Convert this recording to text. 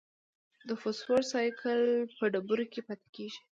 د فوسفورس سائیکل په ډبرو کې پاتې کېږي.